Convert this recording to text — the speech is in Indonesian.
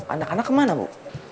anak anak kemana bu